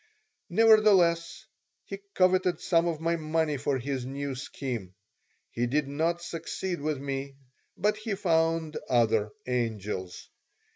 Nevertheless, he coveted some of my money for his new scheme. He did not succeed with me, but he found other "angels."